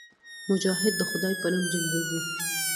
مجاهد د خدای په نوم جنګېږي.